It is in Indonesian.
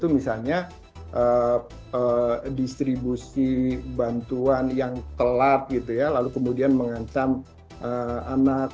misalnya distribusi bantuan yang telat lalu kemudian mengancam anak